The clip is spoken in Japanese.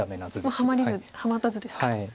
もうハマった図ですか。